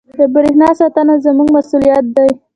• د برېښنا ساتنه زموږ مسؤلیت دی.